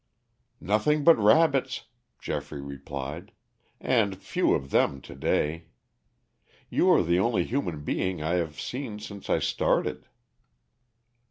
"Nothing but rabbits," Geoffrey replied, "and few of them to day. You are the only human being I have seen since I started."